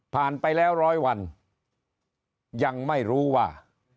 ไปแล้วร้อยวันยังไม่รู้ว่า